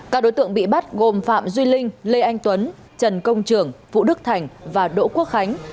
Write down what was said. các đối tượng bị bắt gồm phạm duy linh lê anh tuấn trần công trường vũ đức thành và đỗ quốc khánh